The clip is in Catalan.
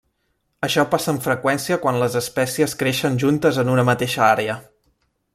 Això passa amb freqüència quan les espècies creixen juntes en una mateixa àrea.